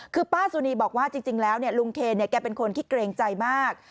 คือป้าสุนีบอกว่าจริงแล้วลุงเคนแกเป็นคนที่เกรงใจมาก